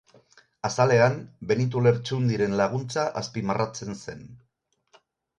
Azalean Benito Lertxundiren laguntza azpimarratzen zen.